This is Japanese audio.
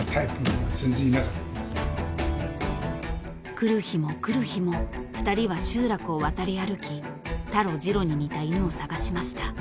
［来る日も来る日も２人は集落を渡り歩きタロジロに似た犬を探しました］